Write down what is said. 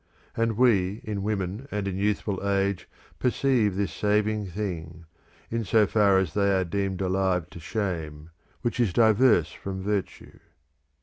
And we in women and in youthful age perceive this saving thing, in so far as they are deemed alive to shame, which is diverse from virtue.